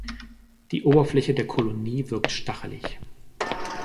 Die Oberfläche der Kolonie wirkt stachelig.